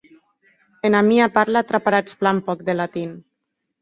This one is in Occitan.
Ena mia parla traparatz plan pòc de latin.